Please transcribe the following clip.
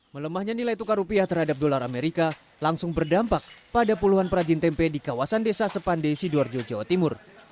melemahnya nilai tukar rupiah terhadap dolar amerika langsung berdampak pada puluhan perajin tempe di kawasan desa sepande sidoarjo jawa timur